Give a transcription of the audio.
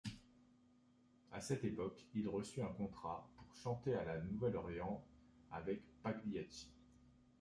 À cette époque, il reçut un contrat pour chanter à La Nouvelle-Orléans avec Pagliacci.